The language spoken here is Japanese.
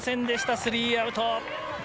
スリーアウト。